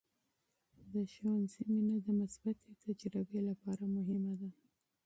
د ښوونځي مینه د مثبتې تجربې لپاره مهمه ده.